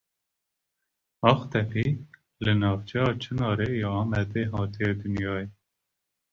Aqtepî li navçeya Çinarê ya Amedê hatiye dinyayê.